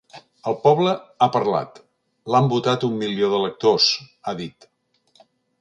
El poble ha parlat, l’han votat un milió d’electors, ha dit.